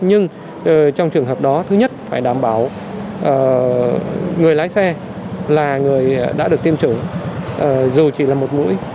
nhưng trong trường hợp đó thứ nhất phải đảm bảo người lái xe là người đã được tiêm chủng dù chỉ là một mũi